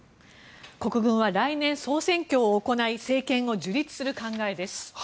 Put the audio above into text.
国軍は来年、総選挙を行い政権を樹立する考えです。